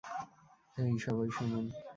হেই, সবাই শুনুন?